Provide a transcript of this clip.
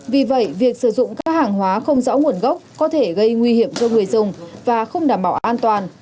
vì vậy việc sử dụng các hàng hóa không rõ nguồn gốc có thể gây nguy hiểm cho người dùng và không đảm bảo an toàn